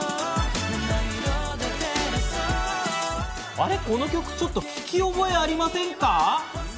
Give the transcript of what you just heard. あれこの曲ちょっと聞き覚えありませんか？